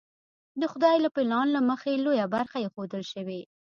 د خدای له پلان له مخې لویه برخه ایښودل شوې.